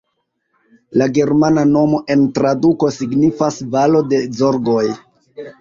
La germana nomo en traduko signifas valo de zorgoj.